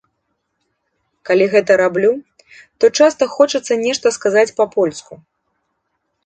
Калі гэта раблю, то часта хочацца нешта сказаць па-польску.